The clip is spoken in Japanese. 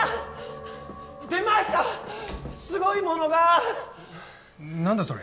出ましたすごいものが何だそれ